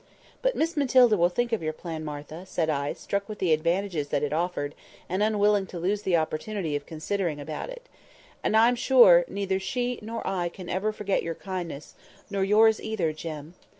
"But Miss Matilda will think of your plan, Martha," said I, struck with the advantages that it offered, and unwilling to lose the opportunity of considering about it. "And I'm sure neither she nor I can ever forget your kindness; nor yours either, Jem."